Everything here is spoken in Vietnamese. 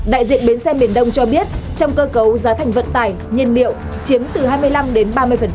đại diện bến xe miền đông cho biết trong cơ cấu giá thành vận tải nhiên liệu chiếm từ hai mươi năm đến ba mươi